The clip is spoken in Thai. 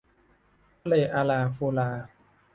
ทะเลอาราฟูรา